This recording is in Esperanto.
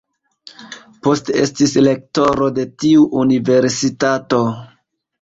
Poste estis rektoro de tiu universitato.